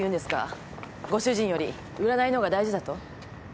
ご主人より占いのほうが大事だと？